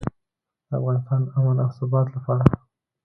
د افغانستان امن او ثبات لپاره.